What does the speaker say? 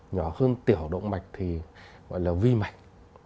nhỏ hơn tiểu động mạch thì gọi là vi mạch